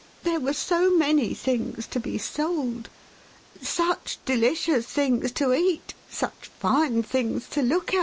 There were so many things to be sold— such delicious things to eat, such fine things to look at, MRS.